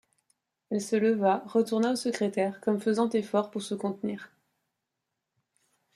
Elle se leva, retourna au secrétaire, comme faisant effort pour se contenir.